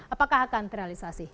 apakah akan terrealisasi